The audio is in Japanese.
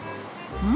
うん！